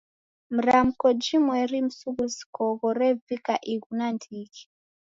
Mramko jimweri msughusiko ghorevika ighu nandighi.